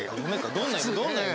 どんな夢？